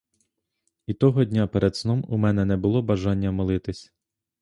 І того дня перед сном у мене не було бажання молитись.